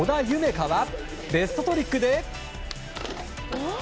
海はベストトリックで。